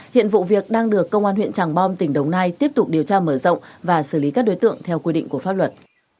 hiện vụ việc đang được công an huyện tràng bom tỉnh đồng nai tiếp tục điều tra mở rộng và xử lý các đối tượng theo quy định của pháp luật